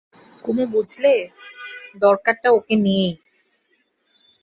কুমু বঝলে, দরকারটা ওকে নিয়েই।